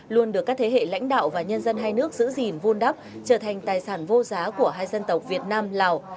luôn được các thế hệ lãnh đạo và nhân dân hai nước giữ gìn vôn đắp trở thành tài sản vô giá của hai dân tộc việt nam lào